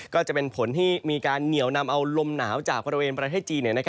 ก็จะเป็นผลที่มีการเหนียวนำเอาลมหนาวจากบริเวณประเทศจีน